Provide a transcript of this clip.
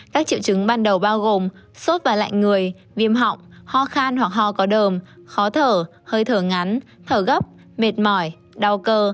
các triệu chứng ban đầu bao gồm sốt và lạnh người viêm họng ho khan hoặc ho có đờm khó thở hơi thở ngắn thở gấp mệt mỏi đau cơ